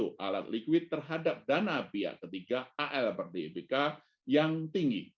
pertama penghasilan likuid terhadap dana pihak ketiga al parti ipk yang tinggi